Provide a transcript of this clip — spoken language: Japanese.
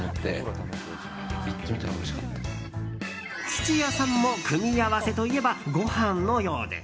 土屋さんも組み合わせといえばご飯のようで。